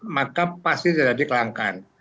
maka pasti tidak dikelangkan